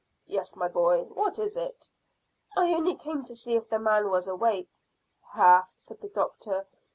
"Yes, my boy; what is it?" "I only came to see if the man was awake." "Half," said the doctor.